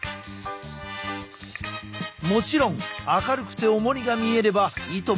もちろん明るくておもりが見えればいとも